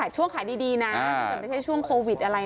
ช่วงขายดีนะไม่ใช่ช่วงโควิดนะ